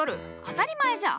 当たり前じゃ！